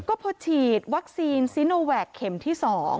ก็พอฉีดวัคซีนซีโนแวคเข็มที่๒